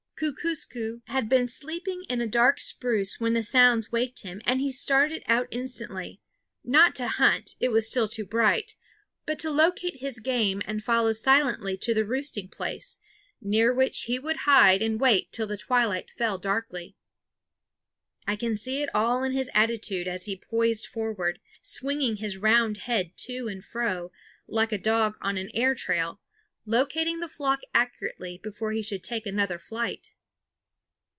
Kookooskoos had been sleeping in a dark spruce when the sounds waked him, and he started out instantly, not to hunt it was still too bright but to locate his game and follow silently to the roosting place, near which he would hide and wait till the twilight fell darkly. I could see it all in his attitude as he poised forward, swinging his round head to and fro, like a dog on an air trail, locating the flock accurately before he should take another flight.